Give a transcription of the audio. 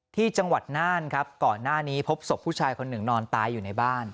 ที่จังหวัดน่านครับก่อนหน้านี้พบศพผู้ชายคนหนึ่งนอนตายอยู่ในบ้าน